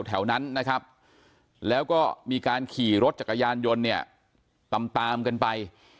แถวนั้นนะครับแล้วก็มีการขี่รถจักรยานยนต์เนี่ยตามตามกันไป